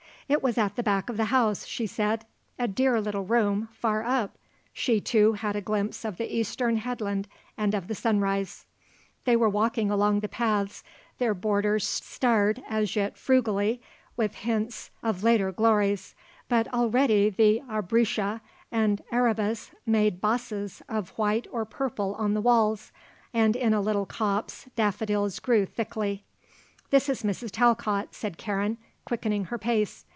It was at the back of the house, she said; a dear little room, far up. She, too, had a glimpse of the Eastern headland and of the sunrise. They were walking along the paths, their borders starred as yet frugally with hints of later glories; but already the aubrietia and arabis made bosses of white or purple on the walls, and in a little copse daffodils grew thickly. "There is Mrs. Talcott," said Karen, quickening her pace.